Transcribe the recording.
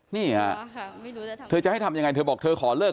นี่เธอจะให้ทำอย่างไรเธอบอกขอเลิก